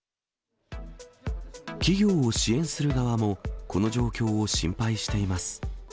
企業を支援する側も、この状況を心配しています。